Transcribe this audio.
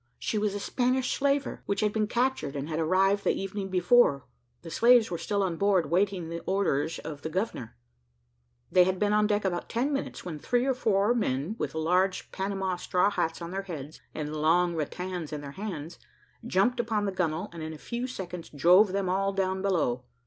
She was a Spanish slaver, which had been captured, and had arrived the evening before. The slaves were still on board, waiting the orders of the governor. They had been on deck about ten minutes, when three or four men, with large panama straw hats on their heads, and long rattans in their hands, jumped upon the gunnel, and in a few seconds drove them all down below.